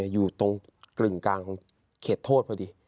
อยู่ตรงกึ่งกลางของเขตโทษพอดี